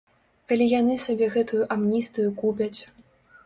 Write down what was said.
Калі яны сабе гэтую амністыю купяць.